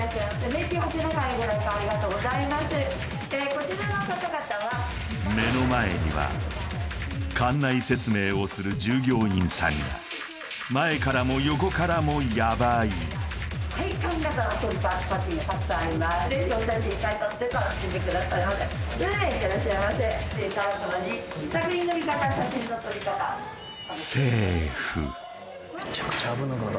こちらの方々は目の前には館内説明をする従業員さんが前からも横からもヤバい作品の見方写真の撮り方現状